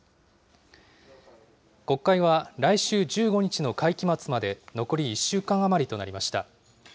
国会は来週１５日までの会期末まで、残り１週間余りとなりました。